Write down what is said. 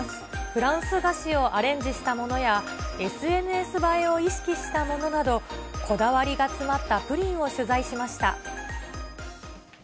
フランス菓子をアレンジしたものや、ＳＮＳ映えを意識したものなど、こだわりが詰まったプリンを取材しました。